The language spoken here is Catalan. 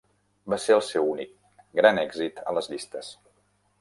Va ser el seu únic gran èxit a les llistes.